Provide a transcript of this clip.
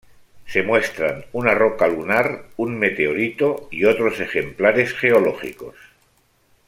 Se muestran una roca lunar, un meteorito y otros ejemplares geológicos.